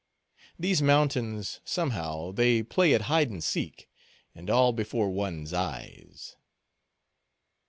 These mountains, somehow, they play at hide and seek, and all before one's eyes.